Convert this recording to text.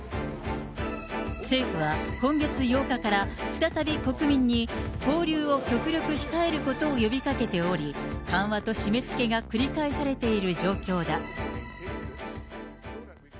政府は、今月８日から再び国民に交流を極力控えることを呼びかけており、緩和と締めつけが繰り返されている状況だ。